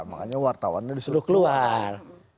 makanya wartawan sudah keluar